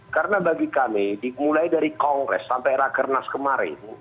karena bagi kami dimulai dari kongres sampai rakernas kemarin